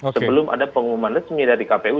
sebelum ada pengumuman resmi dari kpu